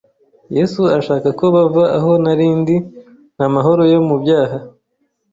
Yesu arashaka ko bava aho nari ndi, nta mahoro yo mu byaha,